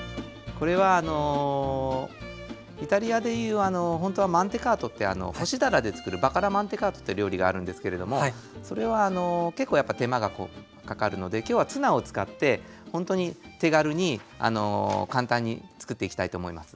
これはあのイタリアでいうほんとはマンテカートって干しダラでつくるバカラマンテカートって料理があるんですけれどもそれは結構やっぱ手間がかかるので今日はツナを使ってほんとに手軽に簡単につくっていきたいと思います。